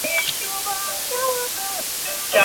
他们将自己的商品通过网展方式推销到世界各地。